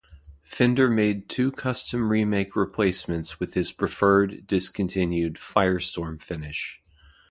Fender made two custom-remake replacements with his preferred discontinued "Firestorm" finish.